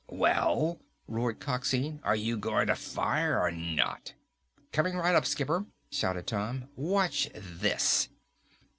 "Well?" roared Coxine. "Are you going to fire or not?" "Coming right up, skipper!" shouted Tom. "Watch this!"